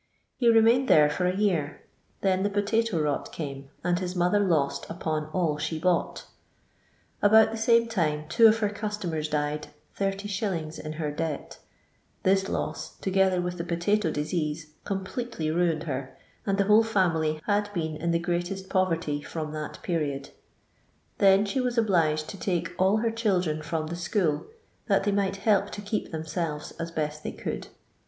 He remained there for a year; then the potato rot came, and his mother lost upon all sne bought About the same time two of her customers died 80«. in her debt ; this loss, together with the potato disease, completely ruined her, and the whole femily had been in the greatest poverty from that period. Then she was obliged to take all her children from their school, that they might help to keep themselves as best they could.